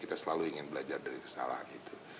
kita selalu ingin belajar dari kesalahan itu